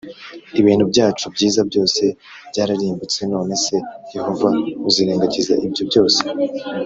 ibintu byacu byiza byose byararimbutse None se Yehova uzirengagiza ibyo byose